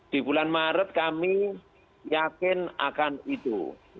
di bulan maret kami yakin akan itu